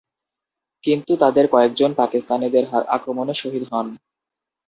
কিন্তু তাদের কয়েকজন পাকিস্তানিদের আক্রমণে শহীদ হন।